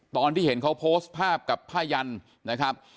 ตอนที่เห็นเขาโพสต์ภาพกับผ้ายันนะครับ